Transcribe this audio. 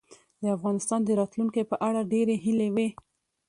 د افغانستان د راتلونکې په اړه ډېرې هیلې وې.